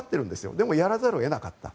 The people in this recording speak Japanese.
でもやらざるを得なかった。